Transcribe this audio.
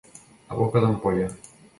A boca d'ampolla.